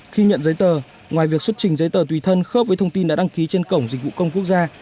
khi nhận giấy tờ ngoài việc xuất trình giấy tờ tùy thân khớp với thông tin đã đăng ký trên cổng dịch vụ công quốc gia